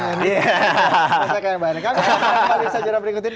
kami akan berbicara berikut ini